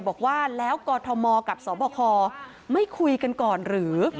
บอกว่าแล้วกอทมกับสบคไม่คุยกันก่อนหรือ